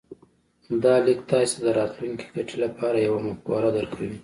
دا ليک تاسې ته د راتلونکې ګټې لپاره يوه مفکوره درکوي.